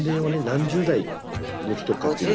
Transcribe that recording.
何十代の人かっていうの。